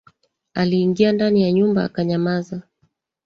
Aliingia ndani ya nyumba akanyamaza